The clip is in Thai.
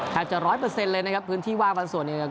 แค่จะร้อยเปอร์เซ็นต์เลยนะครับพื้นที่ว่าฟันส่วน